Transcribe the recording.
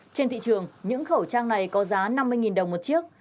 trên thị trường những khẩu trang này có giá năm mươi đồng một chiếc